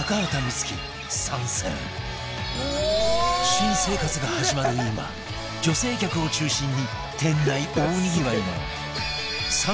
新生活が始まる今女性客を中心に店内大にぎわいの